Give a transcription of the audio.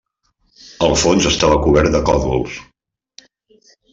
El fons estava cobert de còdols.